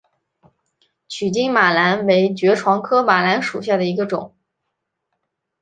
曲茎马蓝为爵床科马蓝属下的一个种。